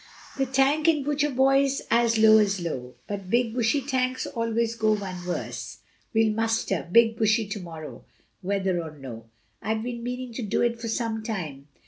The tank in Butcher boy's as low as low; the Big Bushy tanks always go one worse; we'll muster Big Bushy to morrow, whether or no. I've been meaning to do it for some time.